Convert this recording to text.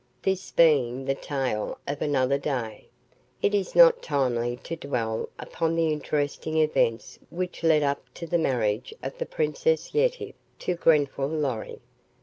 This being the tale of another day, it is not timely to dwell upon the interesting events which led up to the marriage of the Princess Yetive to Grenfall Lorry.